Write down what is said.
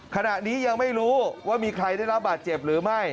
ขณะนี้ยังไม่รู้ว่ามีใครได้รับบาดเจ็บหรือไม่